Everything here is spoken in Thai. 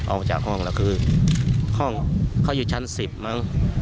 ออกจากห้องแล้วคือห้องเขาอยู่ชั้น๑๐มั้ง